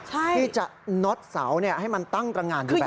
ที่จะน็อตเสาเนี่ยให้มันตั้งตระงานอยู่แบบนี้